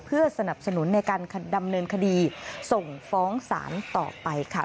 เพื่อสนับสนุนในการดำเนินคดีส่งฟ้องศาลต่อไปค่ะ